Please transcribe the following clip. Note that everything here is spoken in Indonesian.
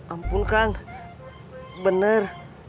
ampun kang bener